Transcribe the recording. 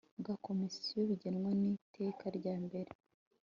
bwa komisiyo bigenwa n iteka rya mbere